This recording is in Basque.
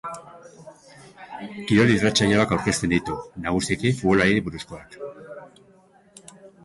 Kirol irratsaioak aurkezten ditu, nagusiki futbolari buruzkoak.